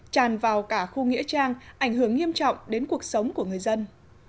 tràn vào cả khu nghĩa trang ảnh hưởng nghiêm trọng đến cuộc sống của người dân